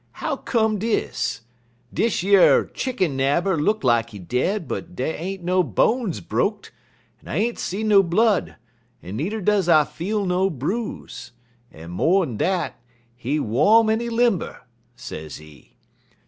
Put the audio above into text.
how come dis? Dish yer chicken nabber look lak he dead, but dey ain't no bones broked, en I ain't see no blood, en needer does I feel no bruise; en mo'n dat he wom en he limber,' sezee.